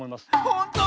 ほんと？